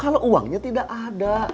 kalau uangnya tidak ada